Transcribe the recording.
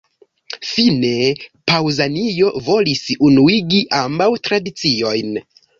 Fine, Paŭzanio volis unuigi ambaŭ tradiciojn.